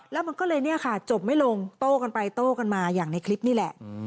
แล้วมันก็เลยเนี่ยค่ะจบไม่ลงโต้กันไปโต้กันมาอย่างในคลิปนี่แหละ